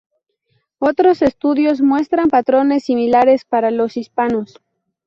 Otros estudios muestran patrones similares para los hispanos.